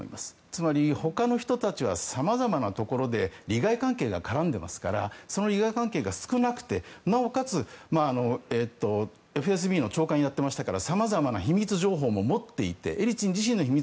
つまり、ほかの人たちは様々なところで利害関係が絡んでいますからその利害関係が少なくてなおかつＦＳＢの長官をやっていましたから様々な秘密情報も持っていてエリツィン氏自身の秘密